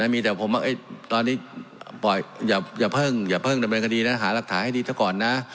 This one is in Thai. มีแต่ผมว่าตอนนี้อย่าเพิ่งดำเนินคดีนะหารักฐานให้ดีเท่าก่อนนะ